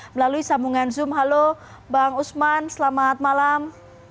melalui sambungan zoom halo bang usman selamat malam